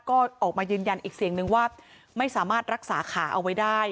ก็ออกมายืนยันอีกเสียงนึงว่าไม่สามารถรักษาขาเอาไว้ได้